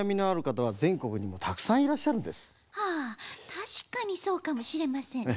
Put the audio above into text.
たしかにそうかもしれませんねえ。